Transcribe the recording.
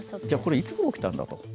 じゃあこれいつごろ起きたんだと。